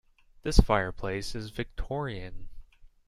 This fireplace is Victorian.